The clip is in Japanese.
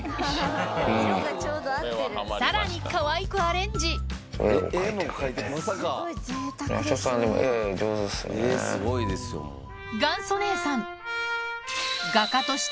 さらにかわいくアレンジ元祖姉さん